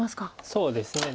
そうですね。